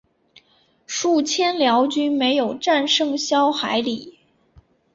数千辽军没有战胜萧海里。